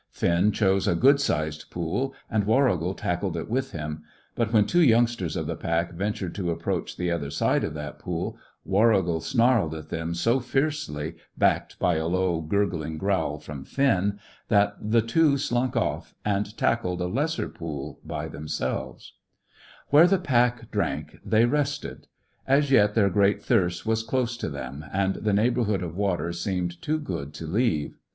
Finn chose a good sized pool, and Warrigal tackled it with him; but when two youngsters of the pack ventured to approach the other side of that pool, Warrigal snarled at them so fiercely, backed by a low, gurgling growl from Finn, that the two slunk off, and tackled a lesser pool by themselves. [Illustration: Scrambling and sliding down the high banks of a river bed.] Where the pack drank they rested. As yet their great thirst was close to them, and the neighbourhood of water seemed too good to leave.